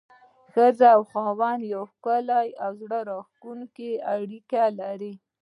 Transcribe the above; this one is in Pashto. ښځه او خاوند يوه ښکلي او زړه راښکونکي اړيکه لري.